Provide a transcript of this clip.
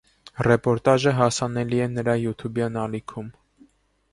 Ռեպորտաժը հասանելի է նրա յութուբյան ալիքում։